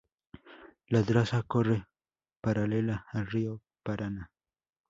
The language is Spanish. La traza corre paralela al río Paraná.